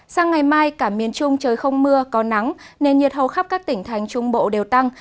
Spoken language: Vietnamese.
sang ngày mai cả miền trung trời không mưa có nắng nền nhiệt hầu khắp các tỉnh thành trung bộ đều tăng